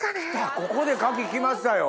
ここで牡蠣来ましたよ。